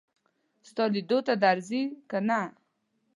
ستا لیدو ته درځي که نه.